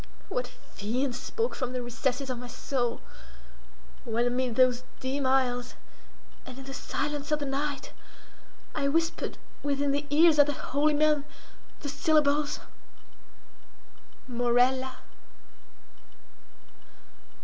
What fiend spoke from the recesses of my soul, when amid those dim aisles, and in the silence of the night, I whispered within the ears of the holy man the syllables—Morella?